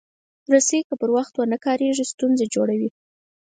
رسۍ که پر وخت ونه کارېږي، ستونزه جوړوي.